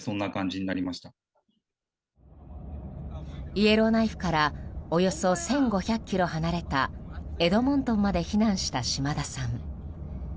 イエローナイフからおよそ１５００ｋｍ離れたエドモントンまで避難した嶋田さん。